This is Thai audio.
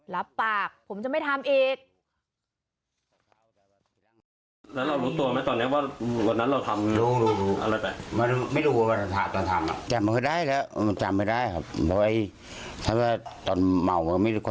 รับปากผมจะไม่ทำอีก